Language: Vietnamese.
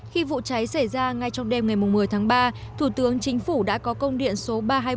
khi vụ cháy xảy ra ngay trong đêm ngày một mươi tháng ba thủ tướng chính phủ đã có công điện số ba trăm hai mươi bốn